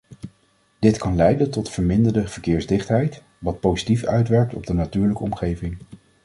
Dit kan leiden tot verminderde verkeersdichtheid, wat positief uitwerkt op de natuurlijke omgeving.